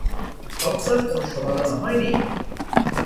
হত্যার কোন সমাধান হয়নি।